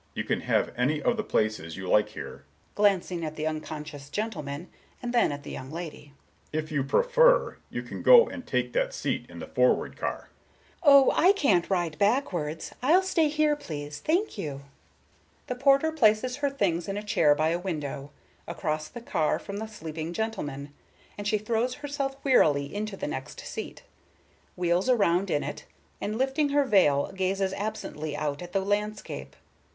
You can have any of the places you like here, or,"—glancing at the unconscious gentleman, and then at the young lady,—"if you prefer, you can go and take that seat in the forward car." Miss Lucy Galbraith: "Oh, I can't ride backwards. I'll stay here, please. Thank you." The porter places her things in a chair by a window, across the car from the sleeping gentleman, and she throws herself wearily into the next seat, wheels round in it, and lifting her veil gazes absently out at the landscape.